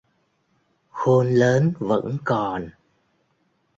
Khôn lớn vẫn còn